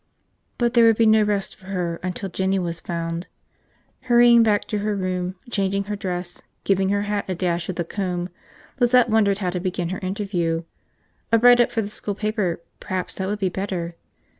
But there would be no rest for her until Jinny was found. Hurrying back to her room, changing her dress, giving her hair a dash with a comb, Lizette wondered how to begin her interview. A write up for the school paper, perhaps that would be better.